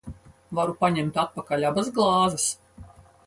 Varu paņemt atpakaļ abas glāzes?